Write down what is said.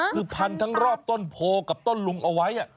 คือพันทั้งรอบต้นโพกับต้นลุงเอาไว้